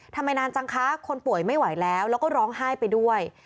ทำไมนานจังคะคนป่วยไม่ไหวแล้วแล้วก็ร้องไห้ไปด้วย